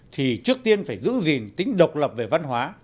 thì trước tiên phải giữ gìn tính độc lập về văn hóa